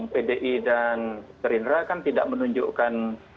pdi dan gerindra kan tidak menunjukkan